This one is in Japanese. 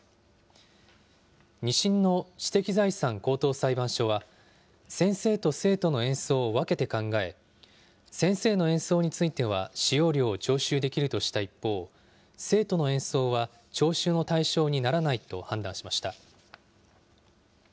２審の知的財産高等裁判所は、先生と生徒の演奏を分けて考え、先生の演奏については、使用料を徴収できるとした一方、生徒の演奏は徴収の対象にならないと判断しました。